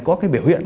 có cái biểu hiện